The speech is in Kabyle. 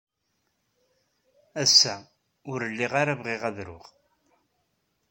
Ass-a, ur lliɣ ara bɣiɣ ad ruɣ.